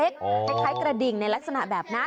คล้ายกระดิ่งในลักษณะแบบนั้น